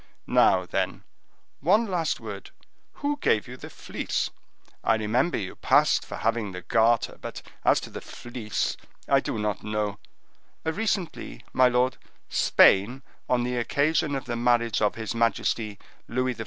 —Now, then, one last word: who gave you the Fleece? I remember you passed for having the Garter; but as to the Fleece, I do not know—" "Recently, my lord, Spain, on the occasion of the marriage of his majesty Louis XIV.